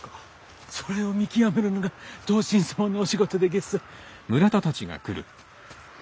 それを見極めるのが同心様のお仕事でげす。